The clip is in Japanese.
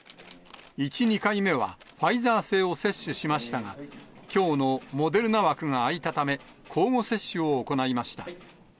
１、２回目はファイザー製を接種しましたが、きょうのモデルナ枠が空いたため、交互接種を行いま